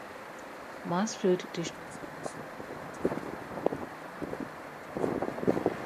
Mansfield District Council identified that the building needed urgent repairs.